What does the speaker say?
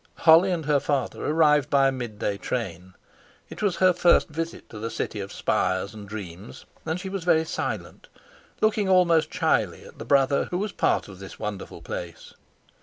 Holly and her father arrived by a midday train. It was her first visit to the city of spires and dreams, and she was very silent, looking almost shyly at the brother who was part of this wonderful place.